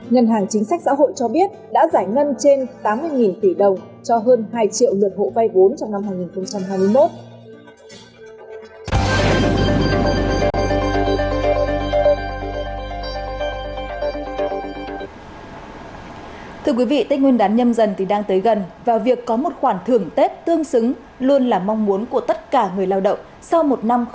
nhân hàng chính sách xã hội cho biết đã giải ngân trên tám mươi tỷ đồng cho hơn hai triệu lượt hộ vay vốn trong năm hai nghìn hai mươi một